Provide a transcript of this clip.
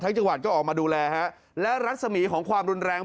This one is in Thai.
จังหวัดก็ออกมาดูแลฮะและรัศมีของความรุนแรง